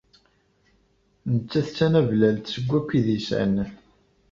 Nettat d tanablalt seg wakk idisan.